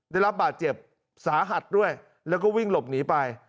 ได้รับบาดเจ็บสาหัสด้วยแล้วก็วิ่งหลบหนีไป